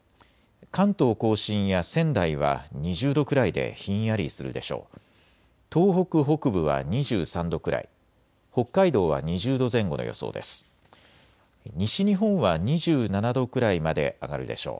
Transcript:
関東甲信や仙台は２０度くらいでひんやりするでしょう。